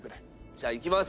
じゃあいきます。